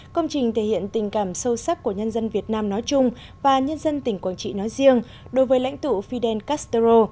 công trình thể hiện tình cảm sâu sắc của nhân dân việt nam nói chung và nhân dân tỉnh quảng trị nói riêng đối với lãnh tụ fidel castro